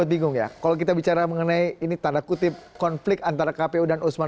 iya biar aja tanggalnya nanti aja